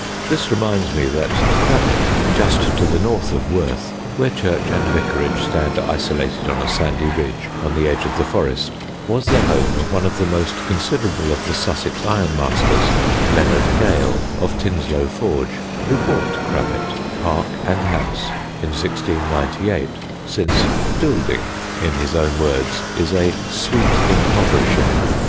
This reminds me that Crabbet, just to the north of Worth (where church and vicarage stand isolated on a sandy ridge on the edge of the Forest), was the home of one of the most considerable of the Sussex ironmasters, Leonard Gale of Tinsloe Forge, who bought Crabbet, park and house, in 1698 since "building," in his own words, is a "sweet impoverishing."